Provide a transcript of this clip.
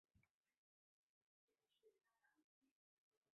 索莱亚。